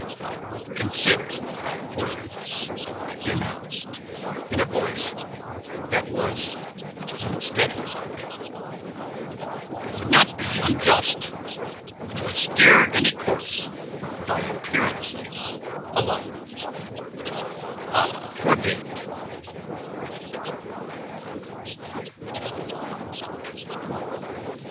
"I will consider thy words," he announced in a voice that was unsteady. "I would not be unjust, nor steer my course by appearances alone. Allah forbid!"